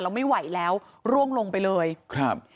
แล้วไม่ไหวแล้วร่วงลงไปเลยครับ